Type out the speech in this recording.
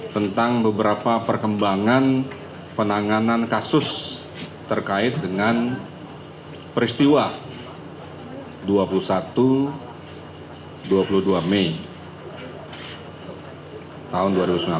tentang beberapa perkembangan penanganan kasus terkait dengan peristiwa dua puluh satu dua puluh dua mei tahun dua ribu sembilan belas